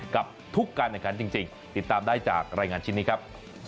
กับทุกการแข่งขันจริงติดตามได้จากรายงานชิ้นนี้ครับ